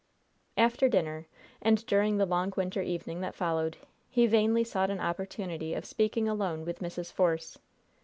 After dinner, and during the long winter evening that followed, he vainly sought an opportunity of speaking alone with Mrs. Force.